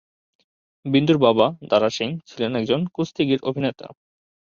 বিন্দুর বাবা, দারা সিং ছিলেন কুস্তিগীর-অভিনেতা।